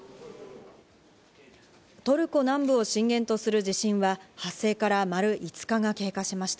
トルコ南部を震源とする地震は発生から丸５日が経過しました。